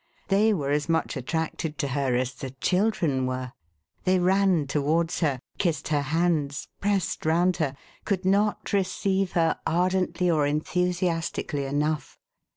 They were as much attracted to her as the children were; they ran towards her, kissed her hands, pressed round her, could not receive her ardently or enthusiastically enough.